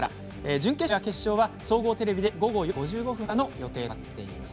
準決勝は決勝は総合テレビで午後４時５５分からの予定となっています。